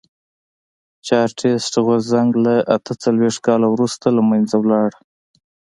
چارټېست غورځنګ له اته څلوېښت کال وروسته له منځه لاړ.